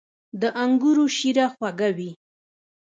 • د انګورو شیره خوږه وي.